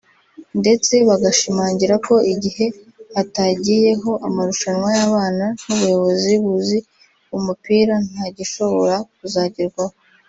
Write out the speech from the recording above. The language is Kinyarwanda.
ndetse bagashimangira ko igihe hatagiyeho amarushanwa y’abana n’ubuyobozi buzi umupira nta gishobora kuzagerwaho